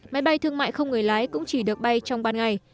máy bay thương mại không người lái cũng chỉ được bay trong ban ngày